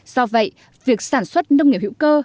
do vậy việc sản xuất nông nghiệp hữu cơ